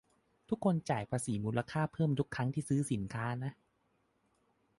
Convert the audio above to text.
- ทุกคนจ่ายภาษีมูลค่าเพิ่มทุกครั้งที่ซื้อสินค้านะ